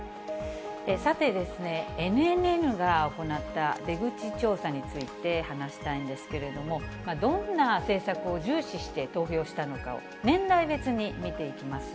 さて、ＮＮＮが行った出口調査について話したいんですけれども、どんな政策を重視して投票したのかを、年代別に見ていきます。